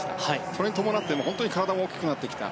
それに伴って体も大きくなってきた。